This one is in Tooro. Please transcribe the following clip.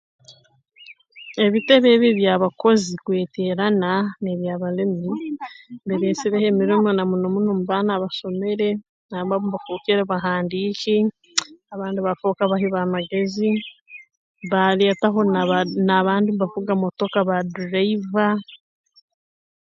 Ebitebe ebi eby'abakozi-kweteerana n'eby'abalimi bireesereho emirimo na muno muno mu baana abasomere abamu bafookere bahandiiki abandi baafooka baahi b'amagezi baaleetaho n'aba n'abandi mbavuga motoka badriver